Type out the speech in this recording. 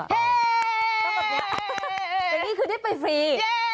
แต่นี่คือได้ไปฟรี